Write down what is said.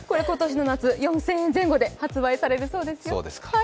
今年の夏、４０００円前後で発売されるそうですよ。